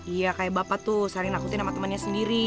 iya kayak bapak tuh saling nakutin sama temannya sendiri